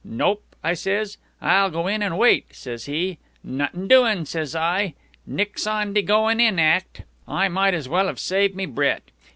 'Nope,' I says. 'I'll go in and wait,' says he. 'Nuttin' doin',' says I. 'Nix on de goin' in act.' I might as well have saved me breat!